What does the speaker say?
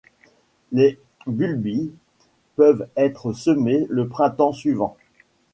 Les bulbilles peuvent être semés le printemps suivant.